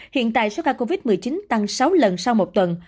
hiện tại số ca covid một mươi chín tăng sáu lần sau một tuần